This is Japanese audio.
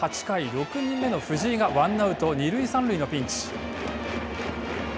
６人目の藤井がワンアウト、二塁三塁のピンチ。